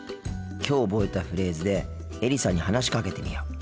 きょう覚えたフレーズでエリさんに話しかけてみよう。